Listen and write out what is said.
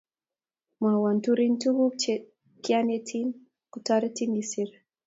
Mwowo turin tukuk che kianetin kitoretin isiir